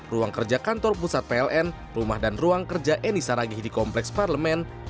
ruang kerja kantor pusat pln rumah dan ruang kerja eni saragih di kompleks parlemen